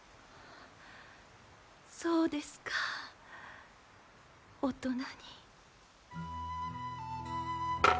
そうですか大人に。